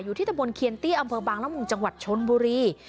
ที่ตะบนเคียนเตี้ยอำเภอบางละมุงจังหวัดชนบุรี